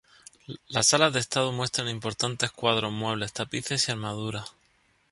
Las salas de estado muestran importantes cuadros, muebles, tapices y armaduras.